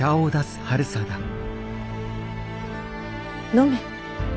飲め。